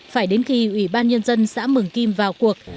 phải đến khi ủy ban nhân dân xã mường kim vào cuộc